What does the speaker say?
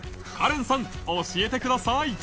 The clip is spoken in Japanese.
カレンさん教えてください